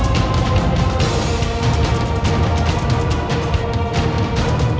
kau mau kemana